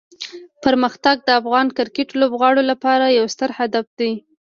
پرمختګ د افغان کرکټ لوبغاړو لپاره یو ستر هدف دی.